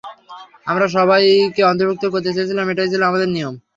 আমরা সবাইকে অন্তর্ভুক্ত করতে চেয়েছিলাম-এটাই ছিল আমাদের নিয়ম।